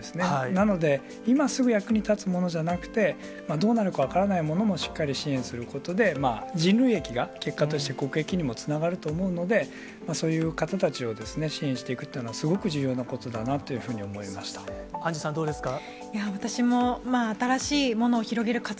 なので、今すぐ役に立つものじゃなくて、どうなるか分からないものもしっかり支援することで、人類益が、結果として国益にもつながると思うので、そういう方たちを支援していくっていうのが、すごく重要なことだなというふうに思いましアンジュさん、どうでしたか？